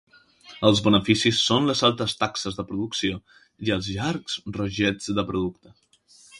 Els beneficis són les altes taxes de producció i els llargs rotllets de producte.